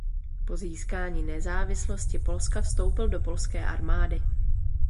Po získání nezávislosti Polska vstoupil do polské armády.